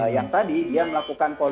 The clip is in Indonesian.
yang tadi dia melakukan